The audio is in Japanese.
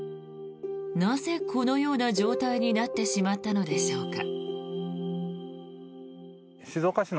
なぜこのような状態になってしまったのでしょうか。